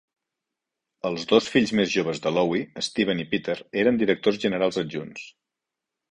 Els dos fills més joves de Lowy, Steven i Peter, eren directors generals adjunts.